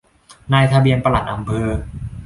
นายทะเบียนปลัดอำเภอ